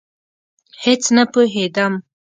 هېڅ نه پوهېدم.